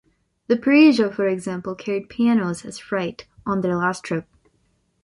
The "Prussia", for example, carried pianos as freight on their last trip.